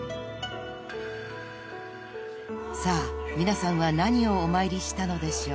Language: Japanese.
［さあ皆さんは何をお参りしたのでしょう］